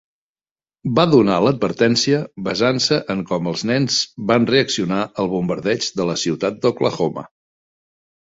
Va donar l'advertència basant-se en com els nens van reaccionar al bombardeig de la ciutat d'Oklahoma.